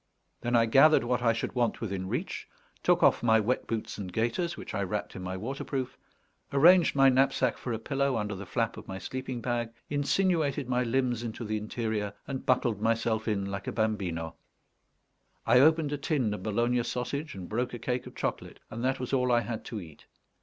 Then I gathered what I should want within reach, took off my wet boots and gaiters, which I wrapped in my waterproof, arranged my knapsack for a pillow under the flap of my sleeping bag, insinuated my limbs into the interior, and buckled myself in like a bambino. I opened a tin of Bologna sausage, and broke a cake of chocolate, and that was all I had to eat.